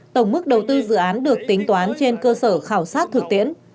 các dự án được tính toán trên cơ sở khảo sát thực tiễn